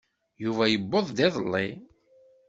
Yuba yewweḍ iḍelli.